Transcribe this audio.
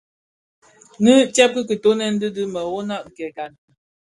Nnë tsèb ki kitöňèn dhi bi mërōňa di dhi kè gan.